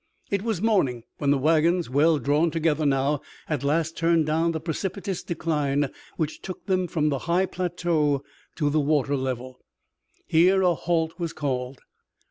It was morning when the wagons, well drawn together now, at last turned down the precipitous decline which took them from the high plateau to the water level. Here a halt was called.